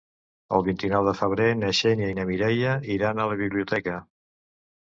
El vint-i-nou de febrer na Xènia i na Mireia iran a la biblioteca.